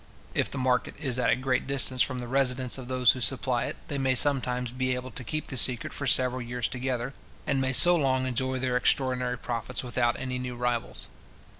If the market is at a great distance from the residence of those who supply it, they may sometimes be able to keep the secret for several years together, and may so long enjoy their extraordinary profits without any new rivals.